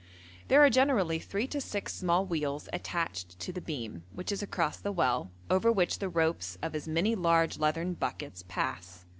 There are generally three to six small wheels attached to the beam, which is across the well, over which the ropes of as many large leathern buckets pass.